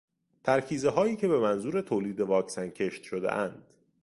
ترکیزههایی که به منظور تولید واکسن کشت شدهاند